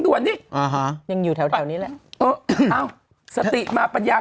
ด่วนนี่อ่าฮะยังอยู่แถวแถวนี้แหละเอออ้าวสติมาปัญญา